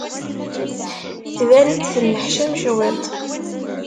Tban-d tenneḥcam cwiṭ.